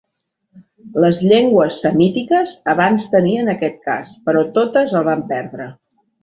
Les llengües semítiques abans tenien aquest cas, però totes el van perdre.